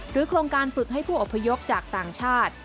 โครงการฝึกให้ผู้อพยพจากต่างชาติ